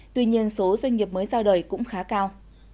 tuy nhiên số doanh nghiệp mới ra đời cũng khá cao